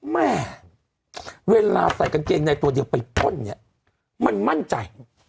แม่เวลาใส่กางเกงในตัวเดียวไปป้นเนี่ยมันมั่นใจ